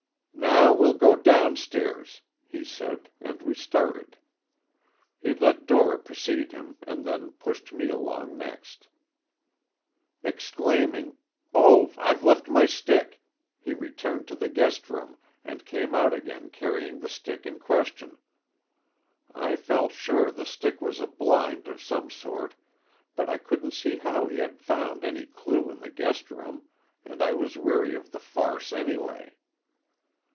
"Now, we'll go downstairs," he said, and we started. He let Dora precede and then pushed me along next. Exclaiming, "Oh, I've left my stick!" he returned to the guest room, and came out again, carrying the stick in question. I felt sure the stick was a blind of some sort, but I couldn't see how he had found any clue in the guest room, and I was weary of the farce anyway.